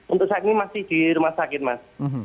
untuk saat ini masih di rumah sakit mas